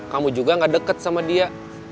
kamu juga gak deket sama dia